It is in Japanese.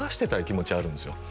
気持ちあるんですよ